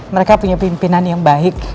mereka punya pimpinan yang baik